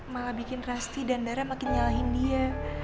malah bikin rasti dan darah makin nyalahin dia